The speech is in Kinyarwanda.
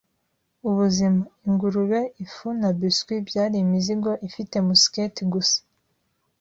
ubuzima. Ingurube, ifu, na biscuit byari imizigo, ifite musketi gusa